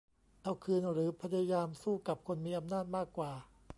เอาคืนหรือพยายามสู้กับคนมีอำนาจมากกว่า